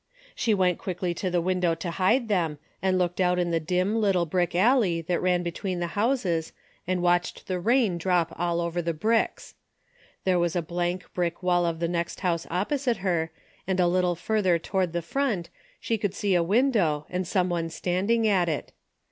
She went quickly to the window to hide them, and looked out in the dim little brick alley that ran between the houses and watched the rain drop all over the 72 DAILY BATEA^ bricks. There was a blank brick wall of the next house opposite her, and a little further toward the front she could see a window and some one standing at it.